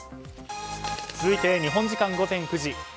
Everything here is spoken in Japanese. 続いて日本時間午前９時。